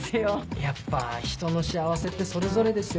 やっぱ人の幸せってそれぞれですよね。